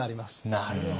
なるほど。